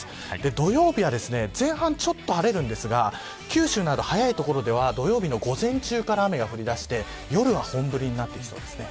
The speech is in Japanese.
土曜日は前半ちょっと晴れるんですが九州など早い所では土曜日の午前中から雨が降り出して夜は本降りになってきそうです。